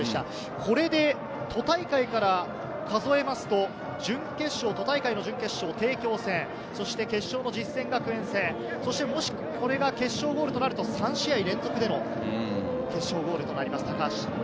これで都大会から数えますと、都大会の準決勝・帝京戦、決勝で実践学園戦、そしてもしこれが決勝ゴールとなると、３試合連続での決勝ゴールとなります、高橋。